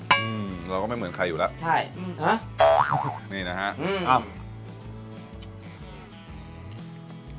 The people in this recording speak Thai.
อืมเราก็ไม่เหมือนใครอยู่แล้วใช่อืมฮะอ๋อนี่นะฮะอืมอ้าว